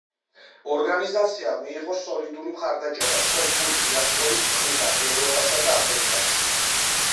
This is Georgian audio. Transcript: ორგანიზაციამ მიიღო სოლიდური მხარდაჭერა სომხური დიასპორის მხრიდან ევროპასა და ამერიკაში.